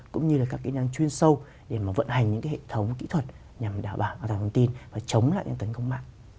cũng như là các kỹ năng chuyên sâu để vận hành những cái hệ thống kỹ thuật nhằm đảm bảo an toàn thông tin và chống lại những tấn công mạng